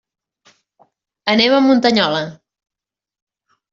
Anem a Muntanyola.